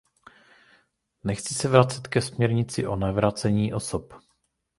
Nechci se vracet ke směrnici o navracení osob.